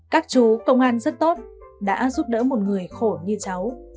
các chú công an rất tốt đã giúp đỡ một người khổ như cháu